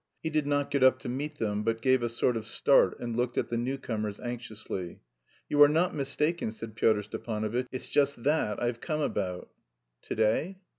He did not get up to meet them, but gave a sort of start and looked at the new comers anxiously. "You are not mistaken," said Pyotr Stepanovitch, "it's just that I've come about." "To day?"